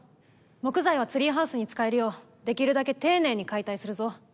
木材はツリーハウスに使えるようできるだけ丁寧に解体するぞ。